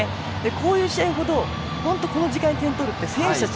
こういう試合ほどこの時間に点を取るって選手たち